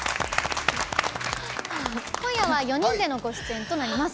今夜は４人でのご出演となります。